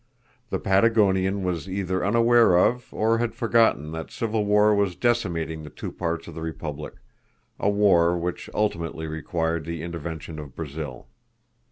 The Patagonian was either unaware of, or had forgotten that civil war was decimating the two parts of the republic a war which ultimately required the intervention of Brazil.